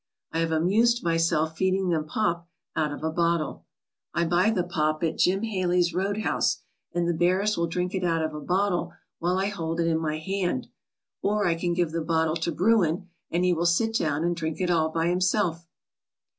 I have amused myself feeding them pop out of a bottle. I buy the pop at Jim Haley's roadhouse, and the bears will drink it out of a bottle while I hold it in my hand; or I can give the bottle to Bruin and he will sit down and drink it all by himself.